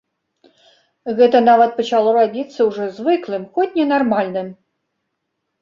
Гэта нават пачало рабіцца ўжо звыклым, хоць ненармальным.